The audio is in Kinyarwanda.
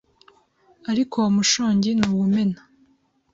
ariko uwo mushongi ntuwumena